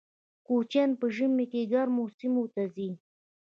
کوچیان په ژمي کې ګرمو سیمو ته ځي